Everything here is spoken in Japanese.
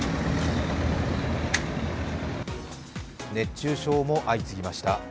熱中症も相次ぎました。